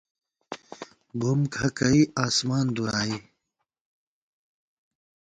بُم کھکَئ آسمان دُرائے